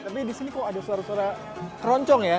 tapi di sini kok ada suara suara keroncong ya